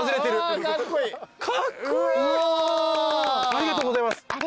ありがとうございます。